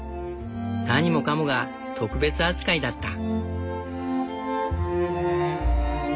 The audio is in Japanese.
何もかもが特別扱いだった。